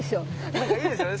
なんかいいですよね。